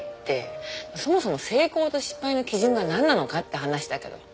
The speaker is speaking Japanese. そもそも成功と失敗の基準がなんなのかって話だけど。